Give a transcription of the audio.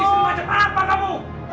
istri macet apa kamu